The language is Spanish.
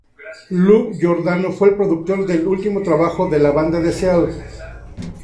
Lou Giordano fue el productor del último trabajo de la banda de Seattle.